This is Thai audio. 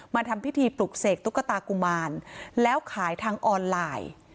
ทำพิธีปลุกเสกตุ๊กตากุมารแล้วขายทางออนไลน์